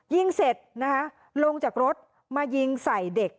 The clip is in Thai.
ยิงเสร็จนะคะลงจากรถมายิงใส่เด็ก